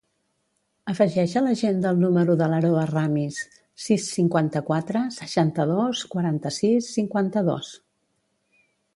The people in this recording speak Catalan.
Afegeix a l'agenda el número de l'Aroa Ramis: sis, cinquanta-quatre, seixanta-dos, quaranta-sis, cinquanta-dos.